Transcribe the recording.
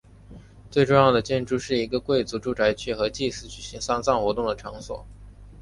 最重要的建筑是一个贵族住宅区和祭司举行丧葬活动的场所。